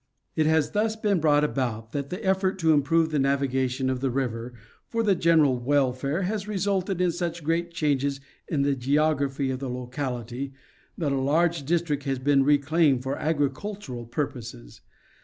It has thus been brought about that the effort to improve the navigation of the river for the general welfare, has resulted in such great changes in the geography of the locality, that a large district has Been reclaimed for agricultural purposes.